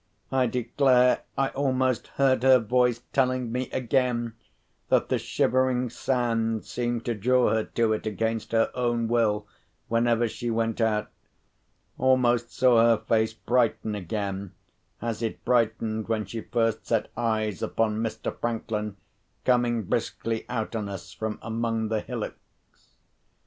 I declare I almost heard her voice telling me again that the Shivering Sand seemed to draw her to it against her own will, whenever she went out—almost saw her face brighten again, as it brightened when she first set eyes upon Mr. Franklin coming briskly out on us from among the hillocks.